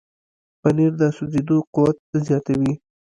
پنېر د سوځېدو قوت زیاتوي.